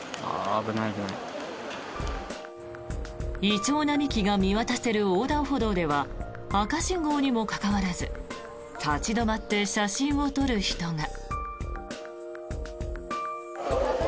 イチョウ並木が見渡せる横断歩道では赤信号にもかかわらず立ち止まって写真を撮る人が。